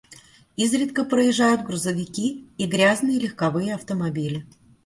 Изредка проезжают грузовики и грязные легковые автомобили.